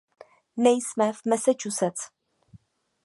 Nejsme v Massachusetts.